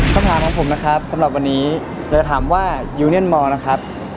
คำถามของผมนะครับสำหรับวันนี้เราจะถามว่ายูเนียนมอร์นะครับ